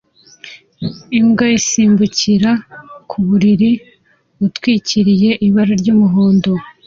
Imbwa isimbukira ku buriri itwikiriye ibara ry'umuhondo